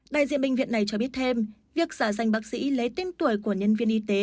đại diện bệnh viện này cho biết thêm việc giả danh bác sĩ lấy tên tuổi của nhân viên y tế